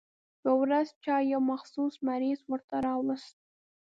يوه ورځ چا يو مخصوص مریض ورته راوست.